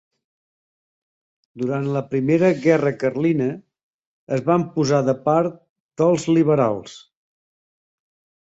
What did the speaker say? Durant la Primera Guerra Carlina es van posar de part dels liberals.